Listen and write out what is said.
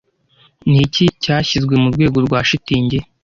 Ni iki cyashyizwe mu rwego rwa shitingi